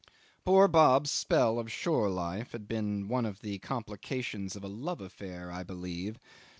Poor Bob's spell of shore life had been one of the complications of a love affair, I believe.